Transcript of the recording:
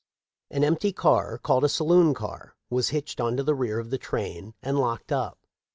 An empty car, called a saloon car, was hitched on to the rear of the train and locked up.